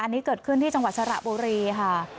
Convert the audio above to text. อันนี้เกิดขึ้นที่จังหวัดสระบุรีค่ะ